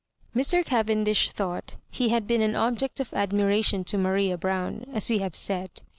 Cavendish thought he had been an object of admiration to Maria Brown, as we have said.